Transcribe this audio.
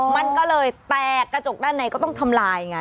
มันก็เลยแตกกระจกด้านในก็ต้องทำลายไง